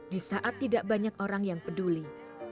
di saat tidak banyak orang yang peduli